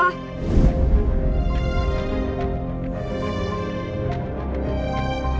kamu pikir dia apa pak